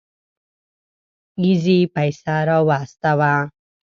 اېزي پيسه راواستوه.